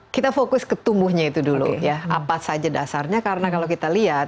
kita fokus ke tumbuhnya itu dulu ya apa saja dasarnya karena kalau kita lihat